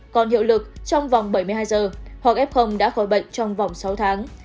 còn hiệu lực trong vòng bảy mươi hai giờ hoặc f đã khỏi bệnh trong vòng sáu tháng